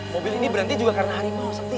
mobil ini berhenti juga karena harimau sepi